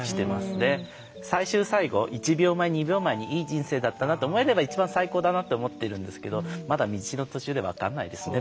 で最終最期１秒前２秒前にいい人生だったなと思えれば一番最高だなって思ってるんですけどまだ道の途中で分からないですね